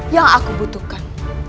yang aku butuhkan